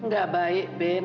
gak baik ben